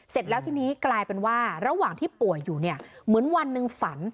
เสร็จแล้วทีนี้กลายเป็นว่าระหว่างที่ป่วยอยู่เนี่ยเหมือนวันหนึ่งฝัน